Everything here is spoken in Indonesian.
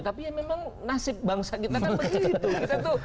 tapi ya memang nasib bangsa kita kan begitu